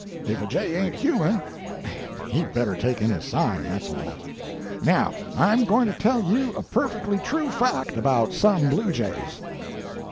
If a jay ain't human, he better take in his sign, that's all. Now I'm going to tell you a perfectly true fact about some bluejays."